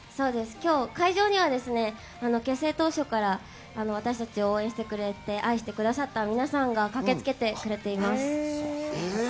今日、会場には結成当初から私たちを応援してくれて、愛してくださった皆さんが駆けつけてくれています。